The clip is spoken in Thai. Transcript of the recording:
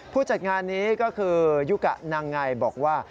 ผู้จัดงานนี้ก็คือยุกะนางไงบอกว่า